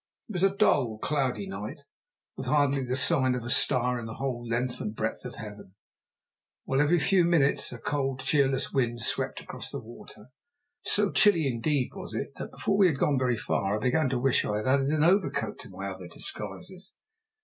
It was a dull, cloudy night, with hardly a sign of a star in the whole length and breadth of heaven, while every few minutes a cold, cheerless wind swept across the water. So chilly indeed was it that before we had gone very far I began to wish I had added an overcoat to my other disguises.